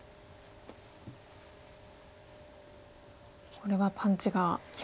これはパンチが決まりましたか。